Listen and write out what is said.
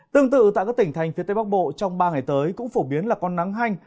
tương tự tại các tỉnh thành phía tây bắc bộ trong ba ngày tới cũng phổ biến là con nắng hanh